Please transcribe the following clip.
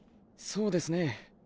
そうですね